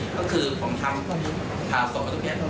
ก็คือผมทำพาส่วนประตูแพทย์